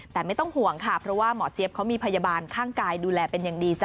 แต่ไม่ต้องห่วงค่ะเพราะว่าหมอเจี๊ยบเขามีพยาบาลข้างกายดูแลเป็นอย่างดีจ้